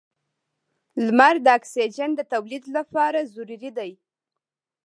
• لمر د اکسیجن د تولید لپاره ضروري دی.